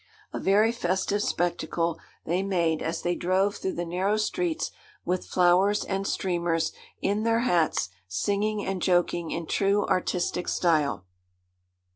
A very festive spectacle they made as they drove through the narrow streets with flowers and streamers in their hats, singing and joking in true artistic style.